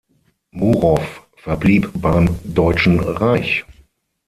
Murow verblieb beim Deutschen Reich.